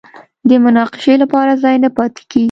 د مناقشې لپاره ځای نه پاتې کېږي